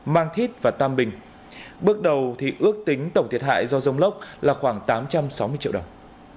mang thít và tam bình bước đầu thì ước tính tổng thiệt hại do rông lốc là khoảng tám trăm sáu mươi triệu đồng